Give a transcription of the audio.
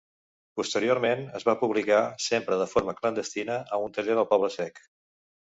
Posteriorment, es va publicar, sempre de forma clandestina, a un taller del Poble-sec.